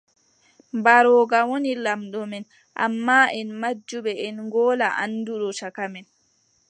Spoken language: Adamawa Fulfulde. Mbarooga woni laamɗo men, ammaa, en majjuɓe, en ngolaa annduɗo caka men.